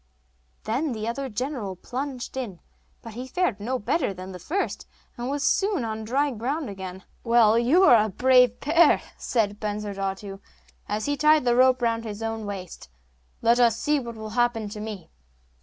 Then the other general plunged in; but he fared no better than the first, and was soon on dry ground again. 'Well, you are a brave pair!' said Bensurdatu, as he tied the rope round his own waist; 'let us see what will happen to me.